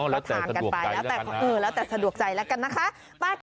ก็ทางกันไปแล้วแต่เออแล้วแต่สะดวกใจแล้วกันนะคะ